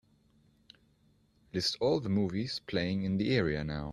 List all the movies playing in the area now.